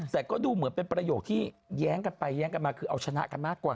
แต่ก็ดูเหมือนเป็นประโยคที่แย้งกันไปแย้งกันมาคือเอาชนะกันมากกว่า